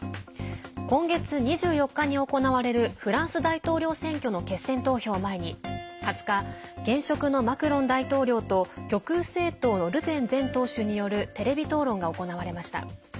今月２４日に行われるフランス大統領選挙の決選投票を前に２０日、現職のマクロン大統領と極右政党のルペン前党首によるテレビ討論が行われました。